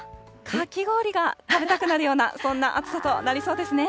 かき氷が食べたくなるような、そんな暑さとなりそうですね。